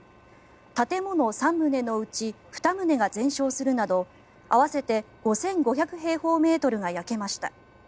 建物３棟のうち２棟が全焼するなど合わせて５５００平方メートルが焼けました。